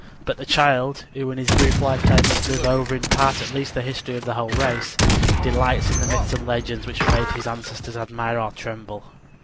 But the child, who in his brief lifetime must live over in part at least the history of the whole race, delights in the myths and legends which made his ancestors admire or tremble.